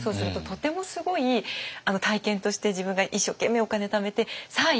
とてもすごい体験として自分が一生懸命お金ためてさあ行った！